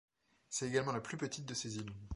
C'est également la plus petite de ces îles.